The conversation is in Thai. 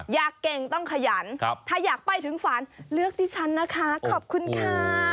อยากเก่งต้องขยันถ้าอยากไปถึงฝันเลือกที่ฉันนะคะขอบคุณค่ะ